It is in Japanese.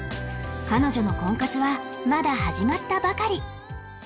彼女の婚活はまだ始まったばかり